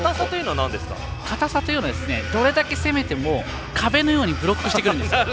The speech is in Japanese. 堅さというのはどれだけ攻めても壁のようにブロックしてくるんです。